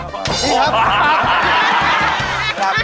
พี่ครับ